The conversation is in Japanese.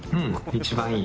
一番良い？